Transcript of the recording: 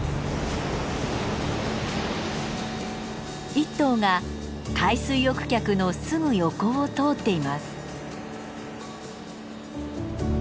１頭が海水浴客のすぐ横を通っています。